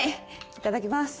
いただきます。